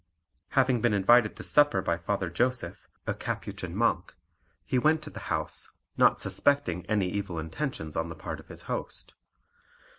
Having been invited to supper by Father Joseph, a Capuchin monk, he went to the house, not suspecting any evil intentions on the part of his host.